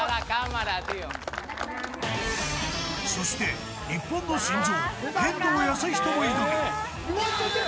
そして日本の心臓、遠藤保仁も挑む。